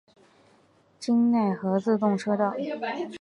京奈和自动车道。